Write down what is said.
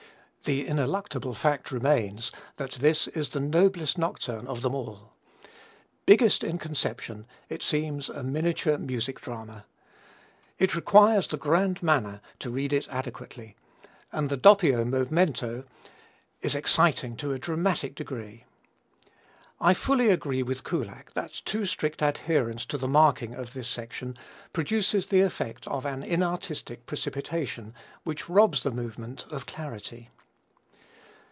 The ineluctable fact remains that this is the noblest nocturne of them all. Biggest in conception it seems a miniature music drama. It requires the grand manner to read it adequately, and the doppio movemento is exciting to a dramatic degree. I fully agree with Kullak that too strict adherence to the marking of this section produces the effect of an "inartistic precipitation" which robs the movement of clarity.